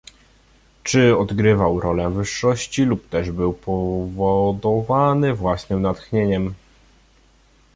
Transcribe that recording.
"Czy odgrywał rolę wyższości, lub też był powodowany własnem natchnieniem?"